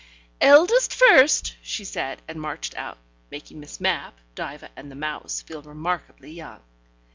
"Eldest first," she said, and marched out, making Miss Mapp, Diva and the mouse feel remarkably young.